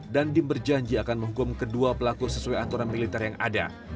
dandim berjanji akan menghukum kedua pelaku sesuai aturan militer yang ada